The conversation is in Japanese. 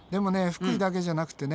福井だけじゃなくてね